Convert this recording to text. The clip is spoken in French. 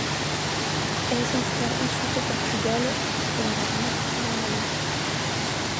Elle s'installe ensuite au Portugal où elle remonte plusieurs Ballets.